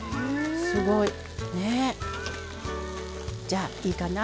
すごい。ねえ。じゃあいいかな？